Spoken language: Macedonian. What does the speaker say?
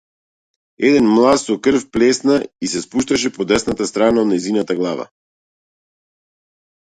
Еден млаз со крв полека ѝ се спушташе по десната страна од нејзината глава.